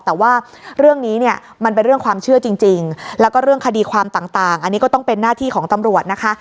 แต่ว่าเรื่องนี้เนี่ยมันเป็นเรื่องความเชื่อจริงแล้วก็เรื่องคดีความต่างอันนี้ก็ต้องเป็นหน้าที่ของตำรวจนะคะ